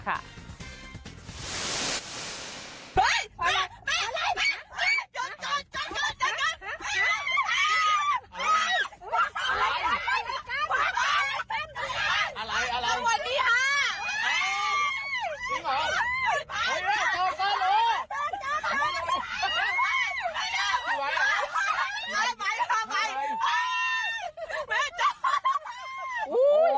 หุ้ยเดี๋ยวโจ๊กโจ๊ก